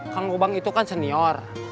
kang ubang itu kan senior